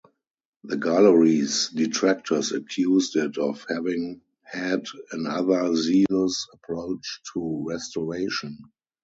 The Gallery's detractors accused it of having had an over-zealous approach to restoration.